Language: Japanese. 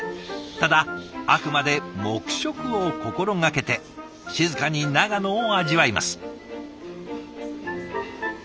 ただあくまで黙食を心掛けて静かに長野を味わいます。